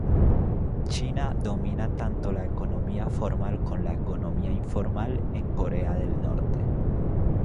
China domina tanto la economía formal con la economía informal en Corea del Norte.